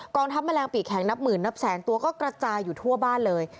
ทัพแมลงปีกแข็งนับหมื่นนับแสนตัวก็กระจายอยู่ทั่วบ้านเลย